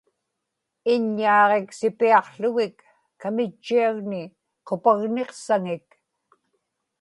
iññaaġiksipiaqługik kamitchiagni qupagniqsaŋik